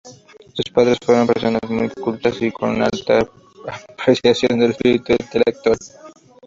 Sus padres fueron personas muy cultas y con una alta apreciación del espíritu intelectual.